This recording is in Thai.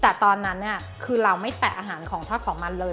แต่ตอนนั้นเนี่ยคือเราไม่แตะอาหารของทอดของมันเลย